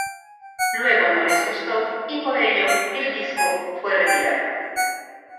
Luego no les gustó y por ello el disco fue retirado.